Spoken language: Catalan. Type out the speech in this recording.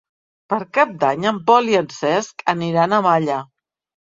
Per Cap d'Any en Pol i en Cesc aniran a Malla.